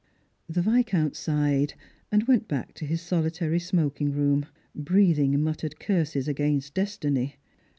The Viscount sighed, and went back to his solitary smoking room, breathing muttered curses against destiny.